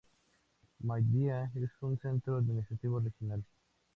Mahdia es un centro administrativo regional.